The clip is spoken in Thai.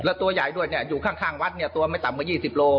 แล้วตัวใหญ่ด้วยเนี่ยอยู่ข้างวัดเนี่ยตัวไม่ต่ำกว่า๒๐โล